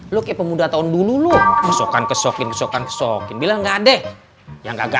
lo kayak pemuda tahun dulu lo kesokan kesokin kesokan kesokin bilang enggak deh yang agak